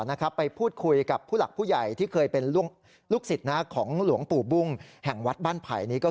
อ้าวไม่รู้แหละแต่ขออายุของหลวงพ่อก่อนแล้วกัน